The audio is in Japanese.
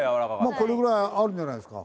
これぐらいあるんじゃないですか？